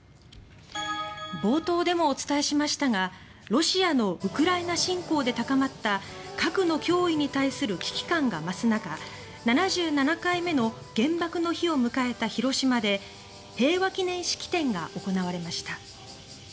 冒頭でもお伝えしましたがロシアのウクライナ侵攻で高まった核の脅威に対する危機感が増す中７７回目の原爆の日を迎えた広島で平和記念式典が行われました。